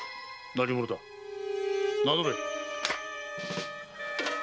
何者だ？名乗れ。